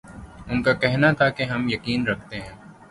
ان کا کہنا تھا کہ ہم یقین رکھتے ہیں